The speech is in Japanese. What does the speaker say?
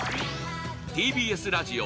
ＴＢＳラジオ